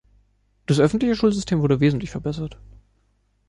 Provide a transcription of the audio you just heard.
Das öffentliche Schulsystem wurde wesentlich verbessert.